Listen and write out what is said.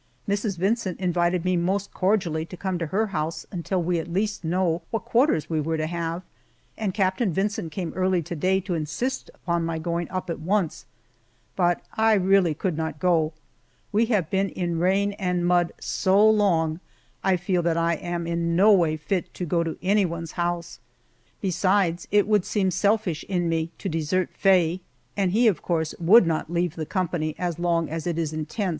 Mrs. Vincent invited me most cordially to come to her house until we at least knew what quarters we were to have, and Captain Vincent came early to day to insist upon my going up at once, but I really could not go. We have been in rain and mud so long I feel that I am in no way fit to go to anyone's house. Besides, it would seem selfish in me to desert Faye, and he, of course, would not leave the company as long as it is in tents.